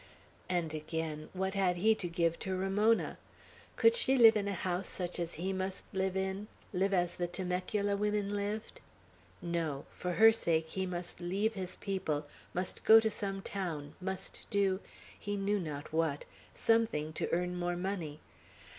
And again what had he to give to Ramona? Could she live in a house such as he must live in, live as the Temecula women lived? No! for her sake he must leave his people; must go to some town, must do he knew not what something to earn more money.